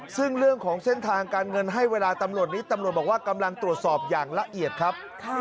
ซึ่งเรื่องของเส้นทางการเงินให้เวลาตำรวจนี้ตำรวจบอกว่ากำลังตรวจสอบอย่างละเอียดครับ